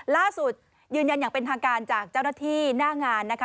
ยืนยันอย่างเป็นทางการจากเจ้าหน้าที่หน้างานนะคะ